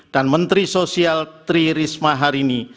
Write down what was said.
dan menteri sosial tri risma harini